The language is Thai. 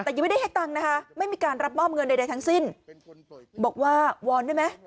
แต่ยังไม่ได้ให้ตังค์นะคะไม่มีการรับมอบเงินใดทั้งสิ้นบอกว่าวอนได้ไหม